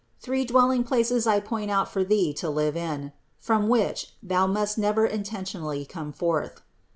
Three dwelling places I point out for thee to live in, from which thou must never intentionally come forth.